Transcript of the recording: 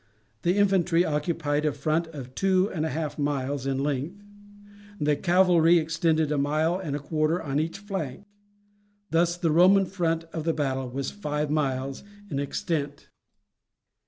The infantry occupied a front of two and a half miles in length; the cavalry extended a mile and a quarter on each flank. Thus the Roman front of battle was five miles in extent.